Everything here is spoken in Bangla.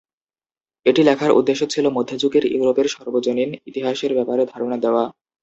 এটি লেখার উদ্দেশ্য ছিল মধ্যযুগের ইউরোপের সর্বজনীন ইতিহাসের ব্যাপারে ধারণা দেওয়া।